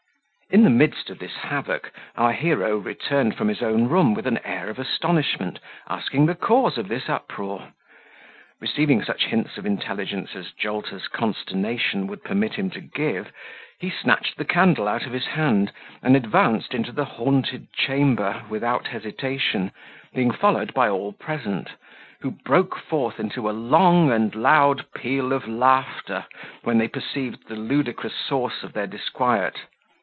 In the midst of this havoc, our hero returned from his own room with an air of astonishment, asking the cause of this uproar. Receiving such hints of intelligence as Jolter's consternation would permit him to give, he snatched the candle out of his hand, and advanced into the haunted chamber without hesitation, being followed by all present, who broke forth into a long and loud peal of laughter, when they perceived the ludicrous source of their disquiet.